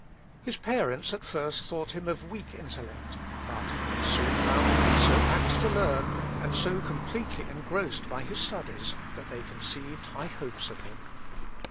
His parents at first thought him of weak intellect, but they soon found him so apt to learn, and so completely engrossed by his studies, that they conceived high hopes of him.